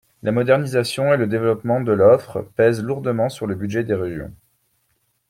La modernisation et le développement de l’offre pèsent lourdement sur le budget des régions.